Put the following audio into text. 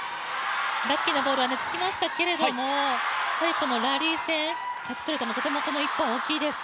ラッキーなボールがつきましたけれどもやはりラリー戦、勝ち取れたのはこの１本、大きいです。